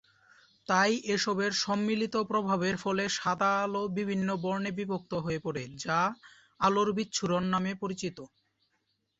তাই এসবের সম্মিলিত প্রভাবের ফলে সাদা আলো বিভিন্ন বর্ণে বিভক্ত হয়ে পড়ে যা আলোর বিচ্ছুরণ নামে পরিচিত।